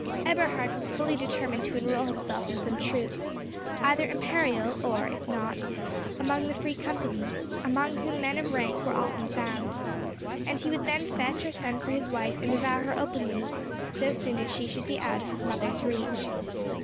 Eberhard was fully determined to enrol himself in some troop, either Imperial, or, if not, among the Free Companies, among whom men of rank were often found, and he would then fetch or send for his wife and avow her openly, so soon as she should be out of his mother's reach.